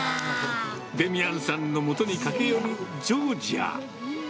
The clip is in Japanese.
デミアンさんのもとに駆け寄るジョージア。